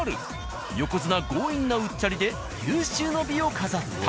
横綱強引なうっちゃりで有終の美を飾った。